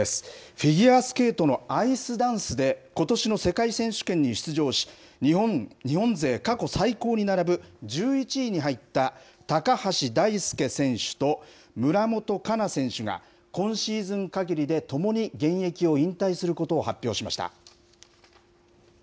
フィギュアスケートのアイスダンスで、ことしの世界選手権に出場し、日本勢過去最高に並ぶ１１位に入った高橋大輔選手と村元哉中選手が、今シーズンかぎりでともに現役を引退することを発表しました。